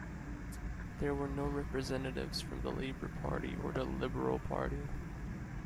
There were no representatives from the Labour Party or Liberal Party.